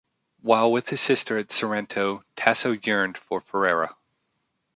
While with his sister at Sorrento, Tasso yearned for Ferrara.